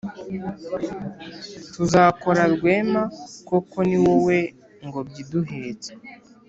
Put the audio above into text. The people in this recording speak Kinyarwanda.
tuzakora rwema, koko ni wowe ngobyi iduhetse.